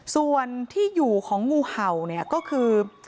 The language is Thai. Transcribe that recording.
ส่วนที่อยู่ของงูเห่าเนี่ยก็คือ